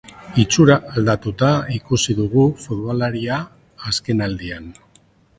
Itxura aldatuta ikusi dugu futbolaria azkenaldian.